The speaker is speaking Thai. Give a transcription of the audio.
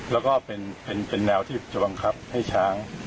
แล้วก็เป็นแนวที่จะบังคับให้ช้าง